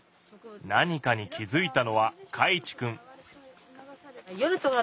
何かに気付いたのはかいちくん。